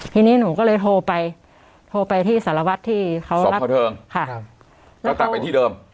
ทีนี้หนูก็เลยโทรไปโทรไปที่สารวัตรที่เขารับค่ะแล้วต่างไปที่เดิม